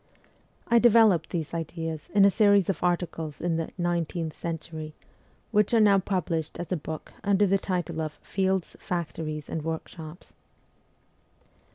I developed these ideas in a series of articles in the ' Nineteenth Century,' which are now published as a book under the title of ' Fields, Factories, and Workshops.'